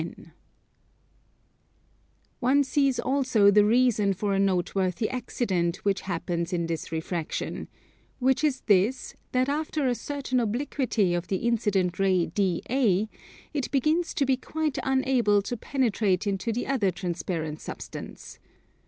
One sees also the reason for a noteworthy accident which happens in this refraction: which is this, that after a certain obliquity of the incident ray DA, it begins to be quite unable to penetrate into the other transparent substance.